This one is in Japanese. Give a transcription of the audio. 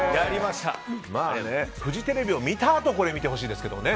フジテレビを見たあとこれを見てほしいですけどね。